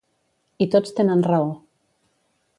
I tots tenen raó.